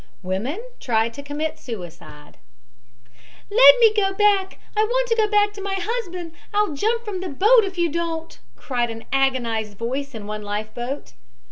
WOMEN TRIED TO COMMIT SUICIDE "Let me go back I want to go back to my husband I'll jump from the boat if you don't," cried an agonized voice in one life boat.